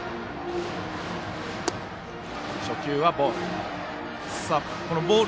初球はボール。